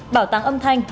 bảo tàng âm thanh